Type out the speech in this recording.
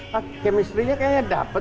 hah chemistrynya kayaknya dapet